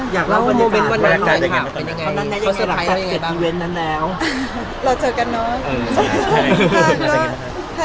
หรือว่าพวกเราจะจัดงานไปกันนะคะ